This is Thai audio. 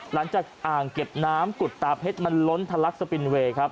อ่างเก็บน้ำกุฎตาเพชรมันล้นทะลักสปินเวย์ครับ